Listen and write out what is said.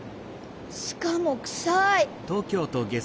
しかもくさい。